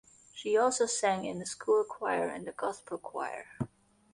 She also sang in a school choir and a gospel choir.